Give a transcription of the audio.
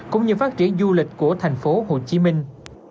cũng như phát triển du lịch của thành phố hồ chí minh